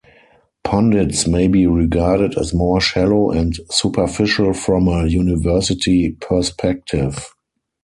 Pundits may be regarded as more shallow and superficial from a university perspective.